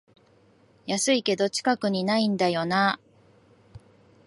安いけど近くにないんだよなあ